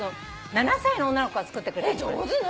７歳の女の子が作ってくれたの。